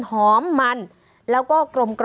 หอมมันแล้วก็กลม